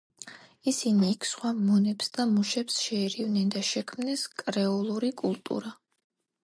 ისინი იქ სხვა მონებს და მუშებს შეერივნენ და შექმნეს კრეოლური კულტურა.